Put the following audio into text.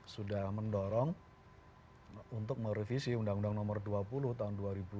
sudah mendorong untuk merevisi undang undang nomor dua puluh tahun dua ribu dua